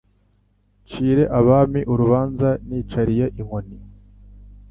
Ncire abami urubanza, Nicariye inkoni